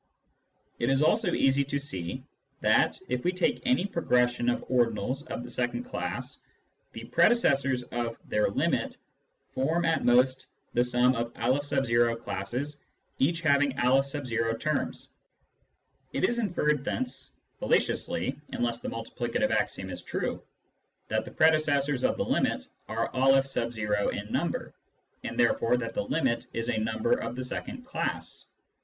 It is also easy to see that, if we take any progression of ordinals of the second class, the predecessors of their limit form at most the sum of N classes each having M terms. It is inferred thence — fallaciously, unless the multi plicative axiom is true — that the predecessors of the limit are N in number, and therefore that the limit is a number of the " second class."